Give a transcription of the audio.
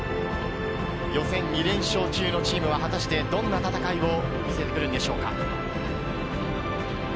予選２連勝中のチームは、果たしてどんな戦いを見せてくれるんでしょうか。